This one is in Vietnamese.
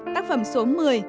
tác phẩm số một mươi